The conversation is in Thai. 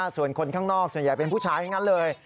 ส่วนคนข้างนอกส่วนใหญ่เป็นผู้ชายทั้งนั้นเลย